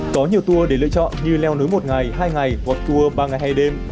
có nhiều tour để lựa chọn như leo núi một ngày hai ngày hoặc tour ba ngày hai đêm